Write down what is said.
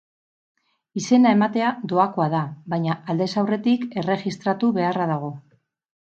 Izena ematea doakoa da, baina aldez aurretik erregistratu beharra dago.